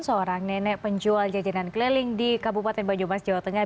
seorang nenek penjual jajanan keliling di kabupaten banyumas jawa tengah